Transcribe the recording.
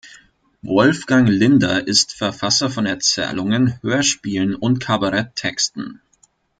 Wolfgang Linder ist Verfasser von Erzählungen, Hörspielen und Kabarett-Texten.